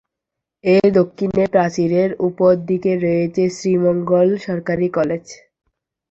এর দক্ষিণের প্রাচীরের ওপর দিকে রয়েছে শ্রীমঙ্গল সরকারি কলেজ।